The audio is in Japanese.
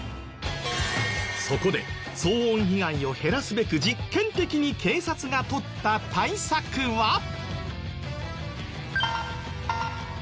そこで騒音被害を減らすべく実験的に警察がとった対策は。